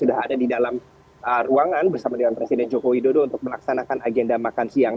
sudah ada di dalam ruangan bersama dengan presiden joko widodo untuk melaksanakan agenda makan siang